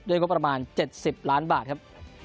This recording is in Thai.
ด้วยความประมาณ๗๐ล้านบาทครับ